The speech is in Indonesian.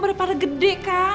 berapa gede kan